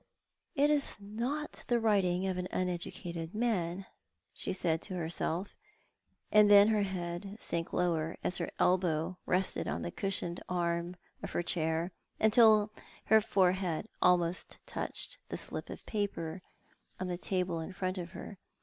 " It is not the writing of an uneducated man," she said to herself, and then her head sank lower, as her elbow rested on the cushioned arm of her chair, until her forehead almost touched the slip of paper on the table in front of her.